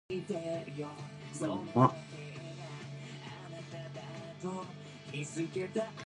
Featuring Damon and No Question, this label releases hip hop music.